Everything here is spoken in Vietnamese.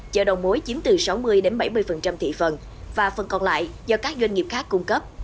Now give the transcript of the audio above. chợ đầu mối chiếm từ sáu mươi bảy mươi thị phần và phần còn lại do các doanh nghiệp khác cung cấp